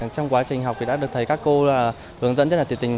trong quá trình học thì đã được thấy các cô hướng dẫn rất là tuyệt tình